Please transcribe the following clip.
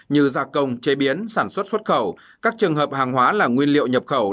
như gia công chế biến sản xuất xuất khẩu các trường hợp hàng hóa là nguyên liệu nhập khẩu